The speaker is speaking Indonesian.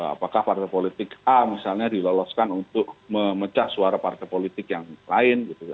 apakah partai politik a misalnya diloloskan untuk memecah suara partai politik yang lain